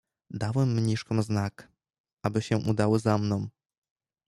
"Dałem mniszkom znak, aby się udały za mną."